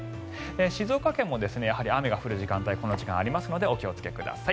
静岡県もやはり雨が降る時間帯この時間ありますのでお気をつけください。